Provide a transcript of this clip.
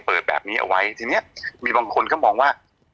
แบบนี้เอาไว้ทีนี้มีบางคนก็มองว่า